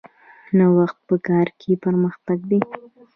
نوښت په کار کې پرمختګ دی